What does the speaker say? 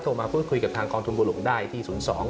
โทรมาพูดคุยกับทางคองทุนบุหรุงได้ที่๐๒๖๗๔๖๔๘๘๘